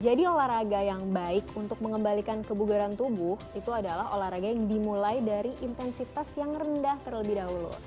jadi olahraga yang baik untuk mengembalikan kebugaran tubuh itu adalah olahraga yang dimulai dari intensitas yang rendah terlebih dahulu